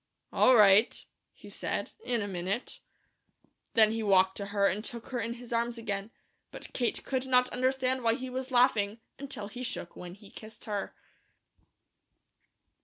"All right," he said. "In a minute." Then he walked to her and took her in his arms again, but Kate could not understand why he was laughing until he shook when he kissed her.